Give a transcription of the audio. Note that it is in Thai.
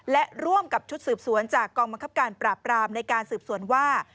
และร่วมกับชุดสืบสวนจากกองบังคับการปราบรามในการสืบสวนว่า